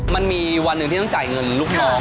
มันมีวันหนึ่งที่ต้องจ่ายเงินลูกน้อง